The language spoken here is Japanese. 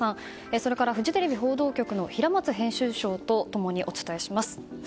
それからフジテレビ報道局の平松編集長と共にお伝えします。